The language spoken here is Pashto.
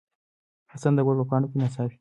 حسن د ګل په پاڼو کې ناڅي.